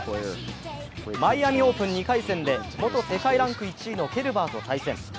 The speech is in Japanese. マイアミオープン２回戦で元世界ランク１位のケルバと対戦。